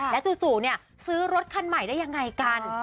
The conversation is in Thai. แล้วจู่ซื้อรถคันใหม่ได้ยังไงกัน